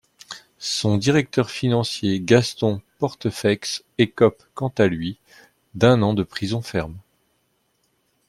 Son directeur financier Gaston Portefaix écope quant à lui d'un an de prison ferme.